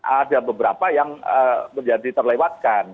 ada beberapa yang menjadi terlewatkan